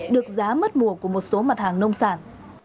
được giá mất mùa của một số mặt hàng nông sản